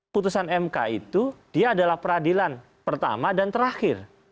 putusan mk itu dia adalah peradilan pertama dan terakhir